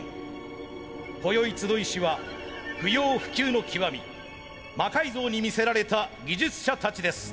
こよい集いしは不要不急の極み魔改造に魅せられた技術者たちです。